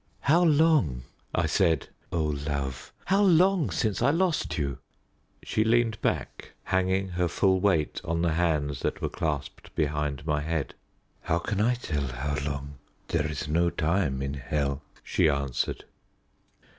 "How long," I said, "O love how long since I lost you?" She leaned back, hanging her full weight on the hands that were clasped behind my head. "How can I tell how long? There is no time in hell," she answered.